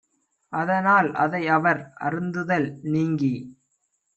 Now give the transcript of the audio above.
அதனால் அதை அவர் அருந்துதல் நீங்கி